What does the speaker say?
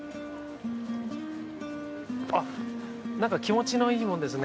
あっ何か気持ちのいいもんですね。